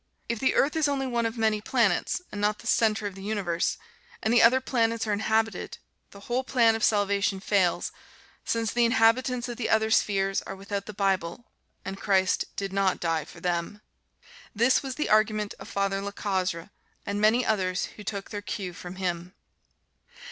If the earth is only one of many planets, and not the center of the universe, and the other planets are inhabited, the whole plan of salvation fails, since the inhabitants of the other spheres are without the Bible, and Christ did not die for them." This was the argument of Father Lecazre, and many others who took their cue from him.